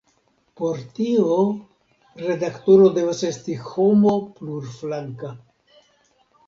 Por tio, redaktoro devas esti homo plurflanka.